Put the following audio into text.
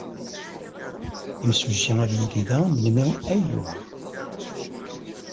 Imsujji ad yili da melmi ay yuɛa.